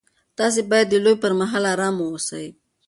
تاسي باید د لوبې پر مهال ارام واوسئ.